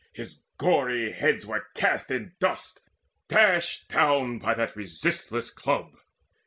His gory heads were cast In dust, dashed down by that resistless club.